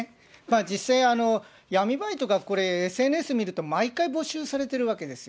実際、闇バイトがこれ、ＳＮＳ見ると、毎回募集されてるわけですよ。